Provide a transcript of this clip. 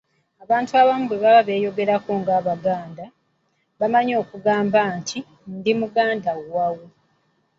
Abantu abamu bwe baba beeyogerako ng'Abaganda, bamanyi okugamba nti, “Ndi muganda wawu".